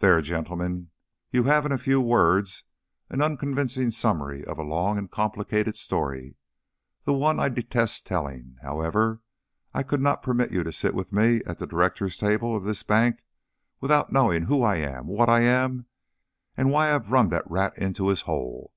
"There, gentlemen, you have in a few words an unconvincing summary of a long and complicated story one that I detest telling. However, I could not permit you to sit with me at the directors' table of this bank without knowing who I am, what I am, and why I have run that rat into his hole.